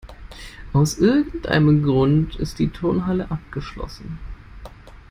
Aus irgendeinem Grund ist die Turnhalle abgeschlossen.